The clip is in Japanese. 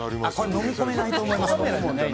飲み込めないと思います。